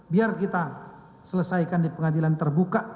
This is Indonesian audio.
biar kita selesaikan di pengadilan terbuka